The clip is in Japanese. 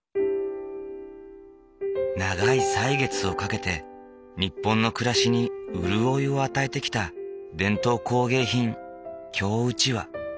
長い歳月をかけて日本の暮らしに潤いを与えてきた伝統工芸品京うちわ。